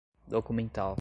documental